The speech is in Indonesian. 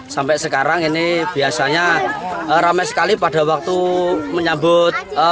sampai sekarang ini biasanya ramai sekali pada waktu menyambut